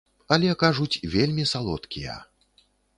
Але, кажуць, вельмі салодкія.